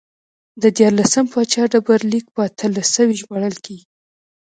د دیارلسم پاچا ډبرلیک په اتلس سوی ژباړل کېږي